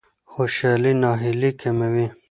خوشالي ناهیلي کموي.